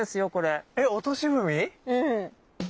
うん。